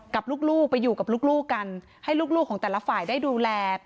กับลูกไปอยู่กับลูกกันให้ลูกของแต่ละฝ่ายได้ดูแล